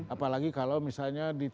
apalagi kalau misalnya